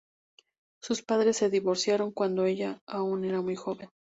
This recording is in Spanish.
Sus padres se divorciaron cuando ella aún era muy joven.